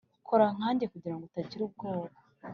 kora nkanjye kugirango utagira ubwoba"